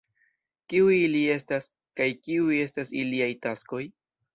Kiuj ili estas, kaj kiuj estas iliaj taskoj?